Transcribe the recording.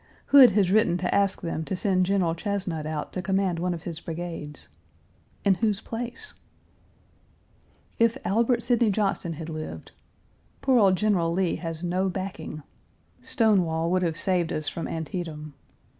Hood has written to ask them to send General Chesnut out to command one of his brigades. In whose place? Page 331 If Albert Sidney Johnston had lived! Poor old General Lee has no backing. Stonewall would have saved us from Antietam.